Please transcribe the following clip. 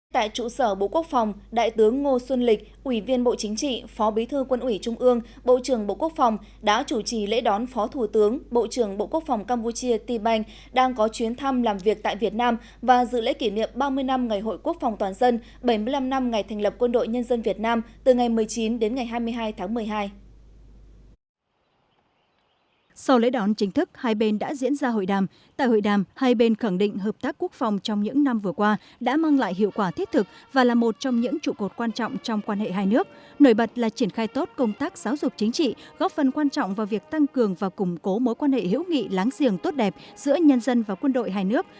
tại trụ sở bộ quốc phòng đại tướng ngô xuân lịch ủy viên bộ chính trị phó bí thư quân ủy trung ương bộ trưởng bộ quốc phòng đã chủ trì lễ đón phó thủ tướng bộ trưởng bộ quốc phòng campuchia t bank đang có chuyến thăm làm việc tại việt nam và dự lễ kỷ niệm ba mươi năm ngày hội quốc phòng toàn dân bảy mươi năm năm ngày thành lập quân đội nhân dân việt nam từ ngày một mươi chín đến ngày hai mươi hai tháng một mươi hai